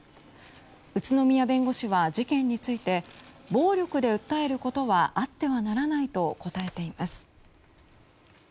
宇都宮弁護士は、事件について暴力で訴えることはあってはならないと答えています。